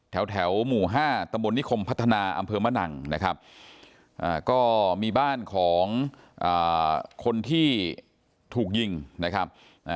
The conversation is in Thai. แถวหมู่๕ตำบลนิคมพัฒนาอำเภอมะนังนะครับก็มีบ้านของคนที่ถูกยิงนะครับ